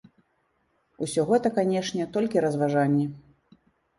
Усё гэта, канешне, толькі разважанні.